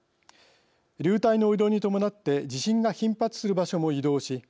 流体の移動に伴って地震が頻発する場所も移動し